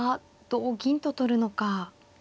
同銀と取るのか。